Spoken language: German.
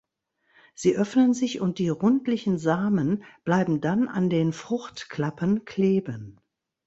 Sie öffnen sich und die rundlichen Samen bleiben dann an den Fruchtklappen kleben.